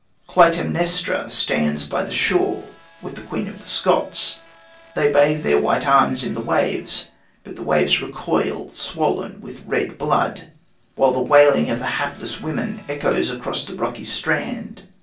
Clytemnestra stands by the shore with the Queen of Scots. They bathe their white arms in the waves, but the waves recoil swollen with red blood, while the wailing of the hapless women echoes along the rocky strand.